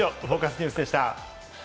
ニュースでした。